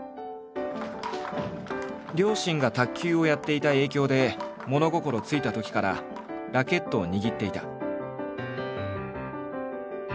両親が卓球をやっていた影響で物心ついたときからラケットを握っていた。